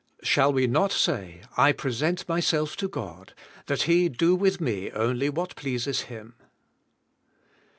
Shall we not say, I present myself to God, that He do with me only what pleases Him.